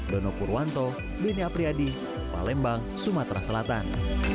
dono purwanto deni apriadi palembang sumatera selatan